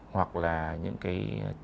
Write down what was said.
hoặc là những cái